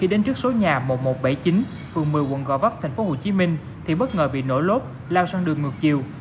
khi đến trước số nhà một nghìn một trăm bảy mươi chín phường một mươi quận gò vấp tp hcm thì bất ngờ bị nổ lốp lao sang đường ngược chiều